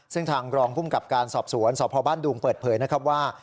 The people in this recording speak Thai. ซึ่งทางรองภูมิกับการสอบสวนสพบ้านดุงเปิดเผยนะครับว่า